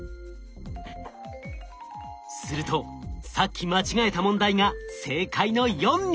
するとさっき間違えた問題が正解の４に！